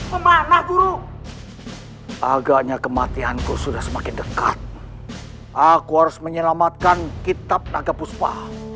kemana guru agaknya kematian ku sudah semakin dekat aku harus menyelamatkan kitab naga puspa